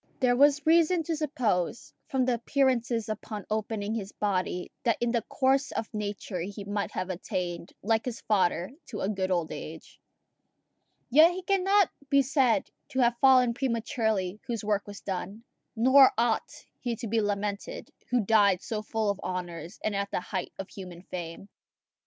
There was reason to suppose, from the appearances upon opening his body, that in the course of nature he might have attained, like his father, to a good old age. Yet he cannot be said to have fallen prematurely whose work was done; nor ought he to be lamented who died so full of honours, and at the height of human fame.